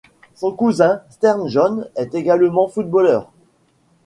Son cousin, Stern John, est également footballeur.